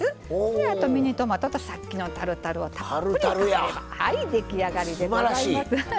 あとミニトマトとさっきのタルタルソースをたっぷりで出来上がりでございます。